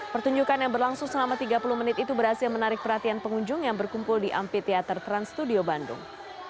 pertunjukan yang berlangsung selama tiga puluh menit itu berhasil menarik perhatian pengunjung yang berkumpul di amphi teater trans studio bandung